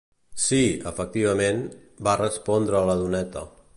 "Sí, efectivament" va respondre la doneta.